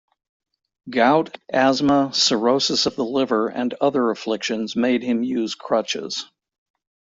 Gout, asthma, cirrhosis of the liver and other afflictions made him use crutches.